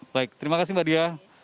baik terima kasih mbak dia